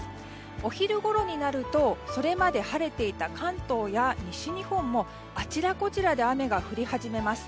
お昼ごろになるとそれまで晴れていた関東や西日本もあちらこちらで雨が降り始めます。